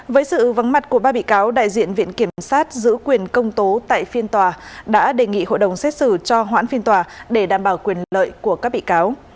với sự vắng mặt của ba bị cáo đại diện viện kiểm sát giữ quyền công tố tại phiên tòa đã đề nghị hội đồng xét xử cho hoãn phiên tòa để đảm bảo quyền lợi của các bị cáo